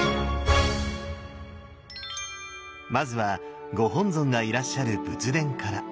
まずはご本尊がいらっしゃる仏殿から。